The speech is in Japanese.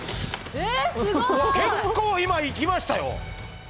結構今いきましたよ。